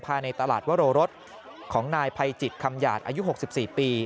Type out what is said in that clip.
ภายในตลาดวโรรสของนายภัยจิตคำหยาดอายุ๖๔ปี